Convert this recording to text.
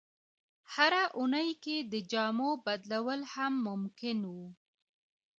هره اونۍ کې د جامو بدلول هم ممکن وو.